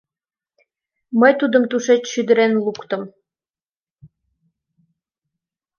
Мый тудым тушеч шӱдырен луктым.